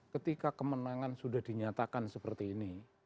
ketika kemenangan sudah dinyatakan seperti ini